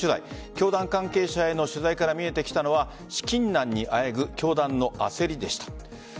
教団関係者への取材から見えてきたのは資金難にあえぐ教団の焦りでした。